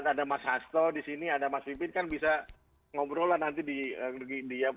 ada mas hasto di sini ada mas wipin kan bisa ngobrolan nanti di dpr